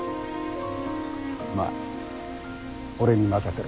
まあ俺に任せろ。